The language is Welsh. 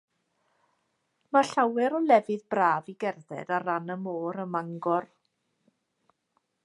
Mae llawer o lefydd braf i gerdded ar lan y môr ym Mangor.